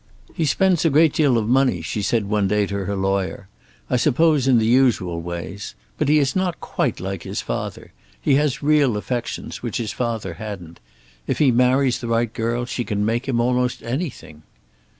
"He spends a great deal of money," she said one day to her lawyer. "I suppose in the usual ways. But he is not quite like his father. He has real affections, which his father hadn't. If he marries the right girl she can make him almost anything."